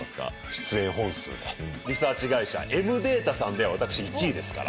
リサーチ会社エム・データさんでは私１位ですから。